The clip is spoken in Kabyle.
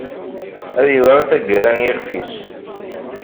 Ad yewɛu taggara n yixf-is.